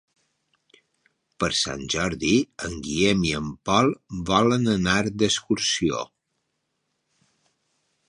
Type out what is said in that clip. Per Sant Jordi en Guillem i en Pol volen anar d'excursió.